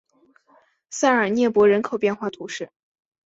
塞尔涅博人口变化图示